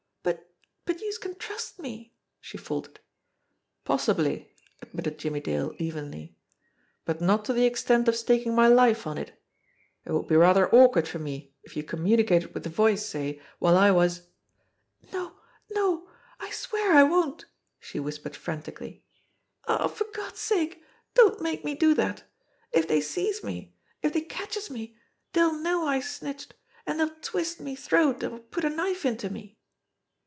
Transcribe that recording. "But but youse can trust me," she faltered. "Possibly !" admitted Jimmie Dale evenly. "But not to the extent of staking my life on it. It would be rather awkward for me if you communicated with the Voice, say, while I was " "No, no; I swear I won't!" she whispered frantically. "Aw, for Gawd's sake, don't make me do dat ! If dey sees me, if dey catches me dey '11 know I snitched, an' dey '11 twist me t'roat or put a knife into me."